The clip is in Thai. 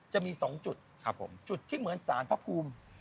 จะมี๒จุดจุดที่เหมือนสารพระภูมิ